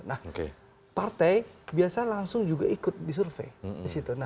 nah partai biasa langsung juga ikut disurvey